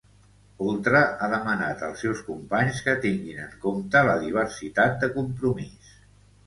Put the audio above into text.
Oltra ha demanat als seus companys que tinguin en compte la diversitat de Compromís